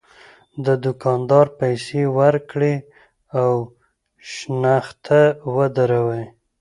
د دوکاندار پیسې ورکړي او شنخته ودروي.